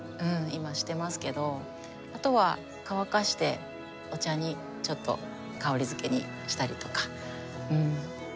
あとは乾かしてお茶にちょっと香りづけにしたりとか。